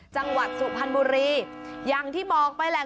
จังหวัดสุพรรณบุรีอย่างที่บอกไปแหละ